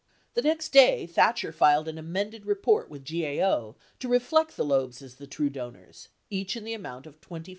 The next day, Thatcher filed an amended report with GAO to reflect the Loebs as the true donors, each in the amount of $24,000.